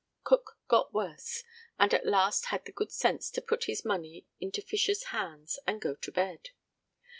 Cook got worse, and at last had the good sense to put his money into Fisher's hands and go to bed.